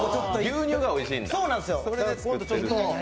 牛乳がおいしいんだ。